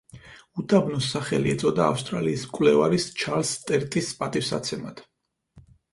უდაბნოს სახელი ეწოდა ავსტრალიის მკვლევრის ჩარლზ სტერტის პატივსაცემად.